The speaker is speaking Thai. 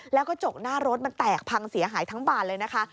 แล้วกระจกหน้ารถมันแตกพังเสียหายทั้งบานเลยนะคะ